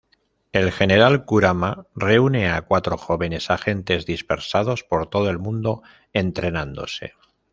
El general Kurama reúne a cuatro jóvenes agentes dispersados por todo el mundo entrenándose.